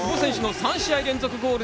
３試合連続ゴール！